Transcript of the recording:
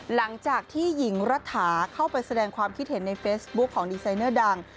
หลังจากที่หญิงรัฐาเข้าไปแสดงความคิดเห็นในเฟซบุ๊คของดีไซเนอร์ดัง